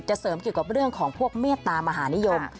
จะเสริมเกี่ยวกับเรื่องเมื่อตามหานิยม